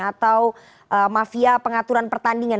atau mafia pengaturan pertandingan